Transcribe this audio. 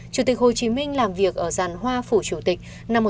chủ tịch hồ chí minh làm việc ở giàn hoa phủ chủ tịch năm một nghìn chín trăm năm mươi bảy